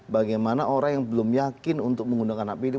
bagaimana orang yang belum yakin untuk menggunakan hp ini